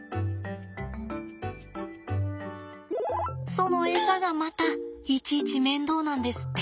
そのエサがまたいちいち面倒なんですって。